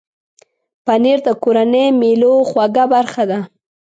پنېر د کورنۍ مېلو خوږه برخه ده.